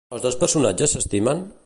Els dos personatges s'estimen?